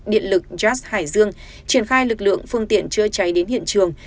điện lực jazz hải dương triển khai lực lượng phương tiện chưa cháy đến hiện trường